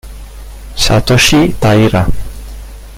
Satoshi Taira